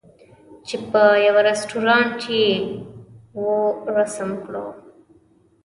چې په یوه رستوران یې وو رسم کړو.